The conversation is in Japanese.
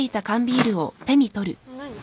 何？